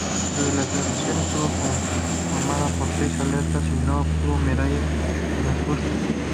Su delegación estuvo conformada por seis atletas y no obtuvo medallas en las justas.